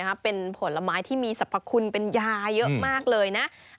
เยี่ยมเลยค่ะเจ๋งมากเลยนะ